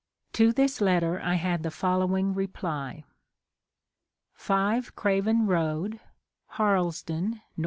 To this letter I had the following reply : 5 Craven Road, Marlesden, A^.